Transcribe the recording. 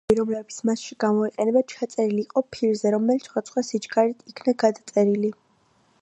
ვოკალები, რომლებიც მასში გამოიყენება, ჩაწერილი იყო ფირზე, რომელიც სხვადასხვა სიჩქარით იქნა გადაწერილი.